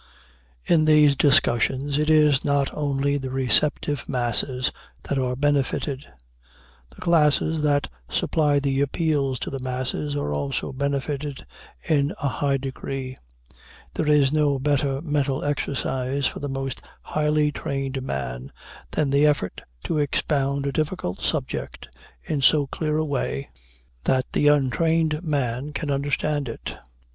In these discussions, it is not only the receptive masses that are benefited; the classes that supply the appeals to the masses are also benefited in a high degree. There is no better mental exercise for the most highly trained man than the effort to expound a difficult subject in so clear a way that the untrained man can understand it.